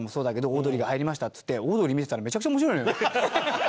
オードリーが入りましたっつってオードリー見てたらめちゃくちゃ面白いのよ。